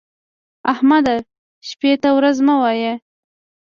احمده! شپې ته ورځ مه وايه.